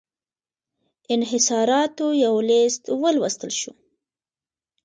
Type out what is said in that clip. انحصاراتو یو لېست ولوستل شو.